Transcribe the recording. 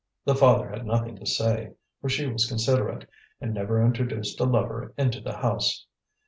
The father had nothing to say, for she was considerate, and never introduced a lover into the house.